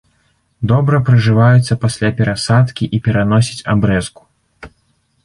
Добра прыжываюцца пасля перасадкі і пераносяць абрэзку.